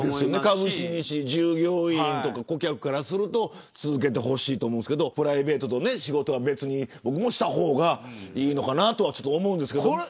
株主、従業員、顧客からすると続けてほしいと思いますがプライベートと仕事は僕も別にした方がいいのかなと思うんですけれど。